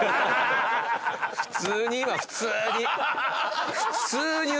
普通に今普通に。